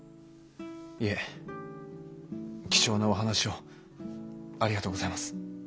いえ貴重なお話をありがとうございます。